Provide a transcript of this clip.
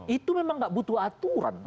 itu memang nggak butuh aturan